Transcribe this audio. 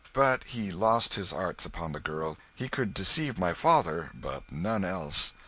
But he lost his arts upon the girl; he could deceive my father, but none else.